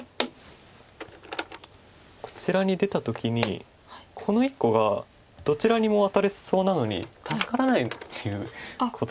こちらに出た時にこの１個がどちらにもワタれそうなのに助からないっていうこと。